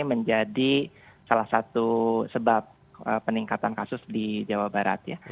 menjadi salah satu sebab peningkatan kasus di jawa barat ya